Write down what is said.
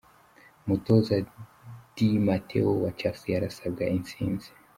Umutoza Di Mateo wa Chelsea arasabwa itsinzi.